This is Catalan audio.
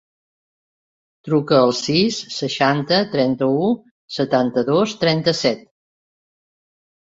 Truca al sis, seixanta, trenta-u, setanta-dos, trenta-set.